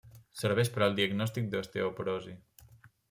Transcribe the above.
Serveix per al diagnòstic d'osteoporosi.